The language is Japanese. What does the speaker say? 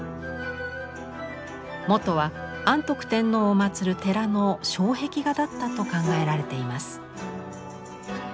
元は安徳天皇を祭る寺の障壁画だったと考えられています。